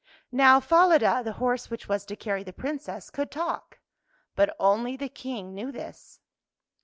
Now Falada, the horse which was to carry the Princess, could talk — but only the King knew this.